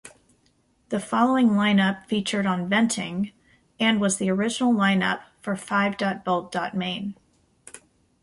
The following lineup featured on "Venting" - and was the original lineup for Five.Bolt.Main.